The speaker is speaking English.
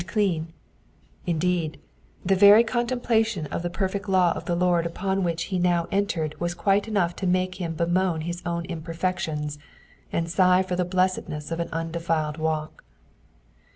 clean ; indeed, the veir contemplation of the perfect law of the Lord upon which he now entered was quite enough to make him bemoan bis own imperfections, and sigh for the blessedness of an undefiled walk.